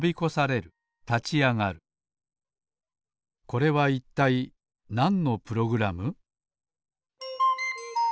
これはいったいなんのプログラム？